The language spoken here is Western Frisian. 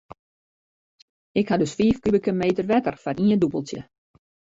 Ik ha dus fiif kubike meter wetter foar ien dûbeltsje.